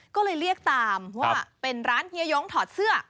ก็เลยเรียกตามว่าเป็นร้านเฮียยงถอดเสื้อ